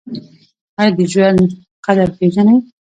ایا د ژوند قدر پیژنئ؟